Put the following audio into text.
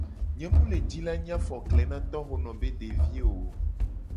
Nye mu le ji la nyi afokle na tohono be deviwo o.